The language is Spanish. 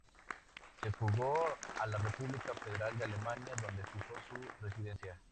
Se fugó a la República Federal de Alemania donde fijó su residencia.